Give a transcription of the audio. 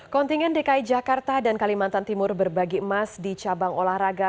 kontingen dki jakarta dan kalimantan timur berbagi emas di cabang olahraga